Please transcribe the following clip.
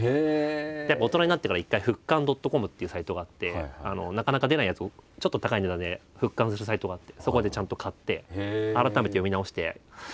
やっぱ大人になってから一回「復刊ドットコム」というサイトがあってなかなか出ないやつをちょっと高い値段で復刊したサイトがあってそこでちゃんと買って。